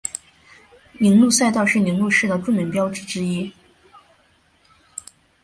铃鹿赛道是铃鹿市的著名标志之一。